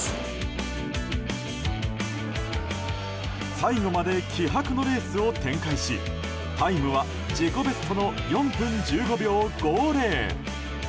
最後まで気迫のレースを展開しタイムは自己ベストの４分１５秒５０。